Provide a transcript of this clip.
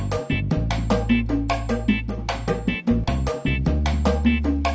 kayaknya mereka copeng